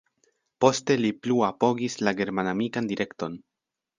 Poste li plu apogis la german-amikan direkton.